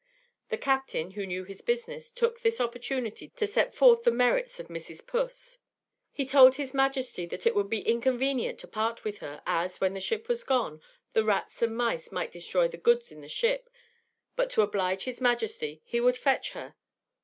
The captain, who knew his business, took this opportunity to set forth the merits of Mrs Puss. He told his majesty that it would be inconvenient to part with her, as, when she was gone, the rats and mice might destroy the goods in the ship but to oblige his Majesty he would fetch her.